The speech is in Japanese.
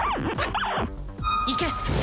いけ。